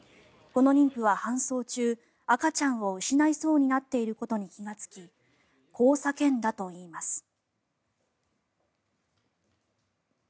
この妊婦は搬送中赤ちゃんを失いそうになっていることに気がつきこう叫んだといいます。